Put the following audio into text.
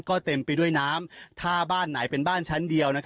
ก็เต็มไปด้วยน้ำถ้าบ้านไหนเป็นบ้านชั้นเดียว